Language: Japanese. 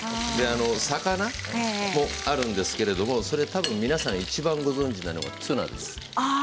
魚もあるんですけれどそれはたぶん皆さんいちばんご存じなのはツナです。